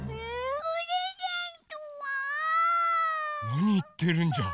なにいってるんジャ。